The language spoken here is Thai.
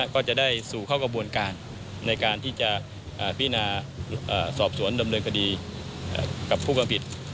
ก็จะได้สู่เข้ากระบวนการในการที่จะพินาสอบสวนดำเนินคดีกับผู้ความผิด